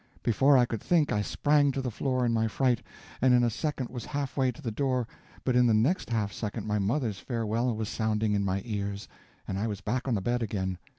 Before I could think, I sprang to the floor in my fright, and in a second was half way to the door; but in the next half second my mother's farewell was sounding in my ears, and I was back on the bed again.